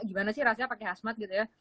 gimana sih rasanya pakai khasmat gitu ya